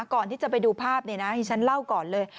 ก่อนที่จะไปดูภาพฉันเล่าก่อนเลย